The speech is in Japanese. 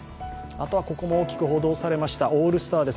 あとはここも大きく報道されました、オールスターです。